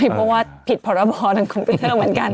เพราะว่าผิดพระราบรรคุมภิกษาเหมือนกัน